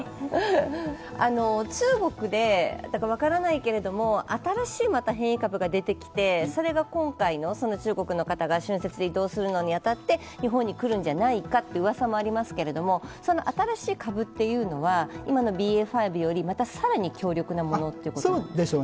中国で、分からないけれども新しいまた変異株が出てきてそれが今回の中国の方が春節で移動するのに当たって、日本に来るんじゃないかといううわさもありますけど、新しい株というのは、今のＢＡ．５よりまた更に強力なものということですか？